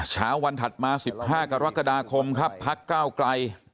เช้าวันถัดมา๑๕กรกฎาคมครับพักก้าวไกล